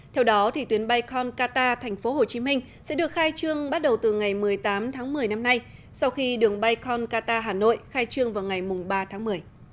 theo đó tuyến bay concata tp hcm sẽ được khai trương bắt đầu từ ngày một mươi tám tháng một mươi năm nay sau khi đường bay concata hà nội khai trương vào ngày ba tháng một mươi